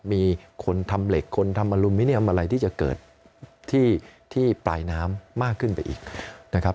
มีคนทำเหล็กคนทำอลูมิเนียมอะไรที่จะเกิดที่ปลายน้ำมากขึ้นไปอีกนะครับ